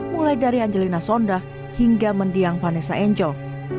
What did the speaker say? mulai dari angelina sonda hingga mendiang vanessa angel